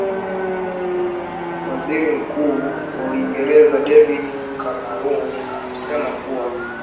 waziri mkuu wa uingereza david cameron amesema kuwa